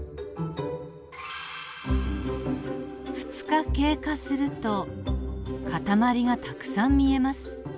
２日経過すると塊がたくさん見えます。